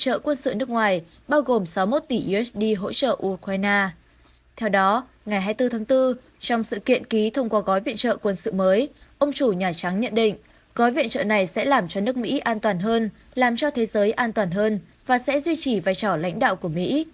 ông chủ nhà trắng nhận định gói viện trợ này sẽ làm cho nước mỹ an toàn hơn làm cho thế giới an toàn hơn và sẽ duy trì vai trò lãnh đạo của mỹ